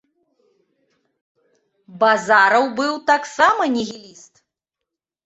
Базараў быў таксама нігіліст.